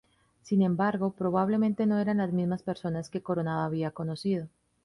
Sin embargo, probablemente no eran las mismas personas que Coronado había conocido.